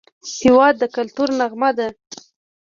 هېواد د کلتور نغمه ده.